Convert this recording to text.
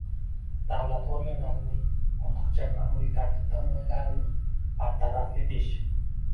davlat organlarining ortiqcha ma’muriy tartib-taomillarini bartaraf etish